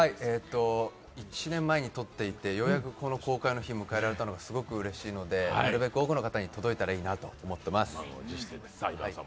１年前に撮っていてようやく公開の日を迎えられたのがすごくうれしいのでできるだけ多くの方に届いたらいいなと思っています。